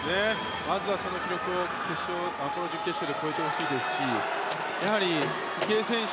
まずはその記録をこの準決勝で超えてほしいですしやはり池江選手